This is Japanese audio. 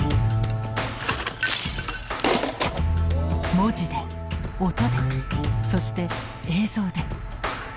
文字で音でそして映像で。